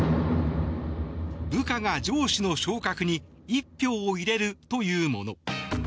部下が上司の昇格に一票を入れるというもの。